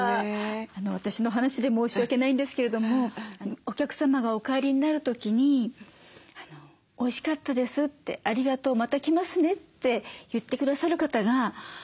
私の話で申し訳ないんですけれどもお客様がお帰りになる時に「おいしかったです」って「ありがとう。また来ますね」って言って下さる方が。